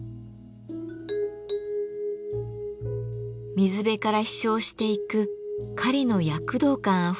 水辺から飛翔していく雁の躍動感あふれる姿。